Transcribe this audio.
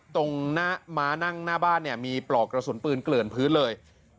ตรงหน้าม้านั่งหน้าบ้านเนี่ยมีปลอกกระสุนปืนเกลื่อนพื้นเลย